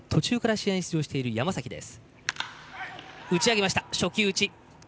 ２番途中から試合に出場している山崎です。